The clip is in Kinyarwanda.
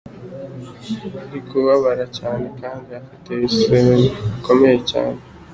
"Ari kubabara cyane kandi afite ibisebe bikomeye cyane.